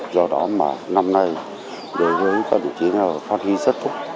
do đó mà năm nay đối với các vị trí này phát huy rất tốt